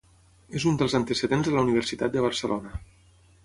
És un dels antecedents de la Universitat de Barcelona.